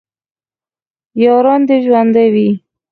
یاران دې ژوندي وي